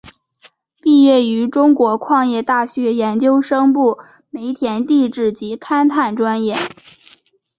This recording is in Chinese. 毕业于中国矿业大学研究生部煤田地质及勘探专业。